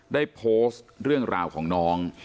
ได้โพสต์เรื่องราวของน้อง